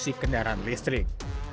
produksi kendaraan listrik